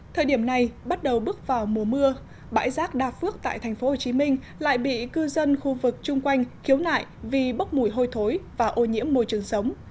thời điểm này bắt đầu bước vào mùa mưa bãi rác đa phước tại tp hcm lại bị cư dân khu vực chung quanh khiếu nại vì bốc mùi hôi thối và ô nhiễm môi trường sống